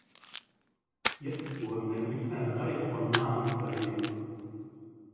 Jetzt wurden nämlich eine Reihe von Namen verlesen.